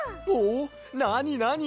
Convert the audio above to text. なになに？